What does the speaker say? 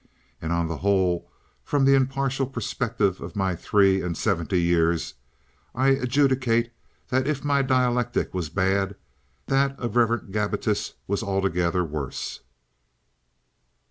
And on the whole—from the impartial perspective of my three and seventy years—I adjudicate that if my dialectic was bad, that of the Rev. Gabbitas was altogether worse.